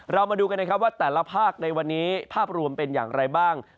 เรามาดูกันนะครับว่าแต่ละภาคในวันนี้ภาพรวมเป็นอย่างไรบ้าง